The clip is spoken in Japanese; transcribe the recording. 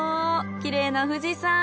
きれいな富士山。